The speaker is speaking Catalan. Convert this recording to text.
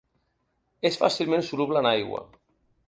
És fàcilment soluble en aigua.